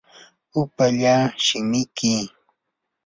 upallaa shimiki.